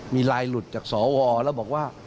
มีลายหลุดจากสวแล้วบอกว่า